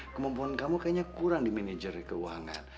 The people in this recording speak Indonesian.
kemampuan kamu kayaknya kurang di manajer keuangan